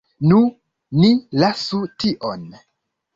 Nu, ni lasu tion.